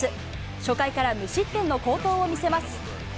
初回から無失点の好投を見せます。